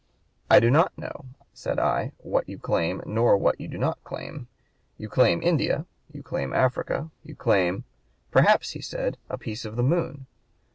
'I do not know,' said I, 'what you claim nor what you do not claim. You claim India; you claim Africa; you claim' 'Perhaps,' said he, 'a piece of the moon.'